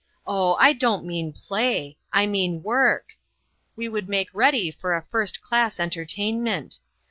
Oh, I don't mean play ! I mean work ! We would make ready for a first class entertainment.